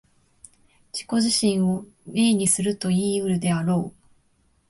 自己自身を明にするといい得るであろう。